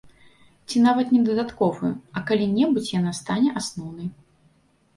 Ці нават не дадатковую, а калі-небудзь яна стане асноўнай.